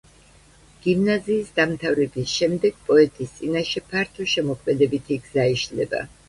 გიმნაზიის დამთავრების შემდეგ პოეტის წინაშე ფართო შემოქმედებითი გზა იშლება.